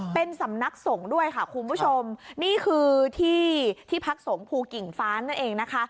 เป็นสำนักสงฆ์ด้วยค่ะคุณผู้ชมนี่คือที่ที่พักสงภูกิ่งฟ้านั่นเองนะคะ